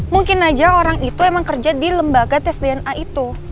mungkin aja orang itu emang kerja di lembaga tes dna itu